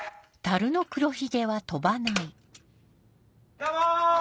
どうも！